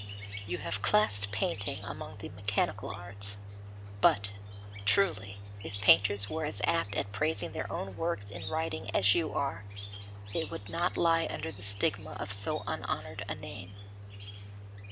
You have classed painting among the mechanical arts, but, truly, if painters were as apt at praising their own works in writing as you are, it would not lie under the stigma of so unhonoured an name.